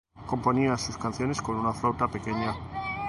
Componía sus canciones con una pequeña flauta.